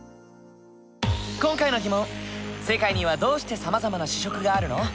今回の疑問「世界にはどうしてさまざまな主食があるの？」。